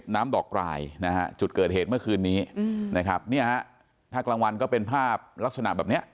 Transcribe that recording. นี้พระกลางวัลก็เป็นภาพลักษณะที่นี่